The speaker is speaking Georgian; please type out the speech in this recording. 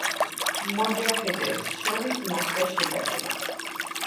მოჯაჰედებს შორის მოხდა შეტაკება.